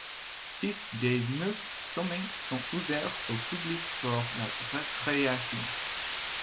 Six des neuf sommets sont ouverts au public pour la recréation.